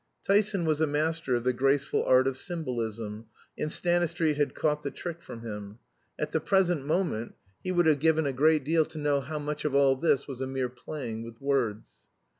Tyson was a master of the graceful art of symbolism, and Stanistreet had caught the trick from him. At the present moment he would have given a great deal to know how much of all this was a mere playing with words.